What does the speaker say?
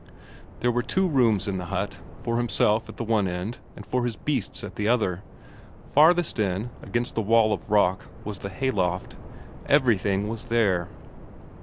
There were two rooms in the hut; for himself at the one end, and for his beasts at the other. Farthest in, against the wall of rock, was the hayloft. Everything was there.